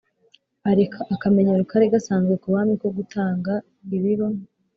areka akamenyero kari gasanzwe ku bami ko gutanga ibiba